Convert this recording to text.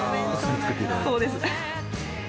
そうです。